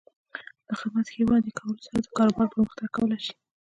د خدمت ښې وړاندې کولو سره د کاروبار پرمختګ کولی شي.